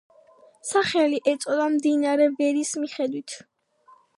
სახელი ეწოდა მდინარე ვერის მიხედვით.